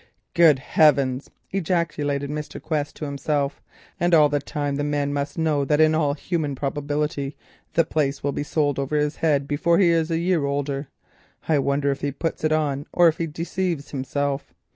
"Great heavens!" ejaculated Mr. Quest to himself. "And the man must know that in all human probability the place will be sold over his head before he is a year older. I wonder if he puts it on or if he deceives himself.